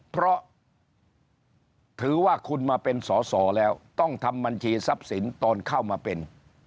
เพราะถือว่าคุณมาเป็นสอสอแล้วต้องทำบัญชีทรัพย์สินตอนเข้ามาเป็น